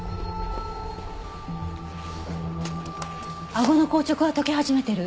あごの硬直は解け始めてる。